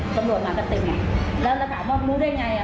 สำรวจมาก็เต็มไงแล้วเราถามว่ารู้ได้ไงอ่ะ